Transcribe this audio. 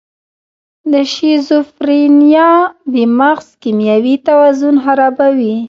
د شیزوفرینیا د مغز کیمیاوي توازن خرابوي.